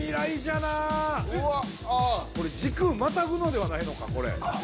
◆時空またぐのではないのかこれ。